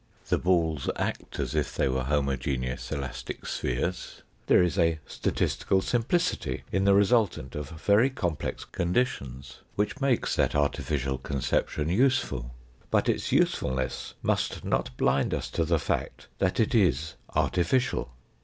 The balls act as if they were homogeneous elastic spheres. There is a statistical simplicity in the resultant of very complex conditions, which makes that artificial conception useful. APPENDIX n 253 But its usefulness must not blind us to the fact that it is artificial.